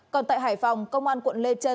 còn tại hải phòng công an quận lê trân